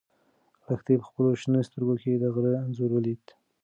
لښتې په خپلو شنه سترګو کې د غره انځور ولید.